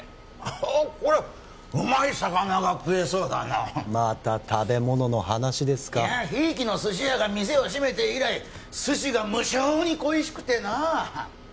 あっこれはうまい魚が食えそうだなまた食べ物の話ですかいやひいきの寿司屋が店を閉めて以来寿司が無性に恋しくてな